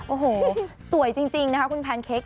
โอ้โหสวยจริงนะคะคุณแพนเค้ก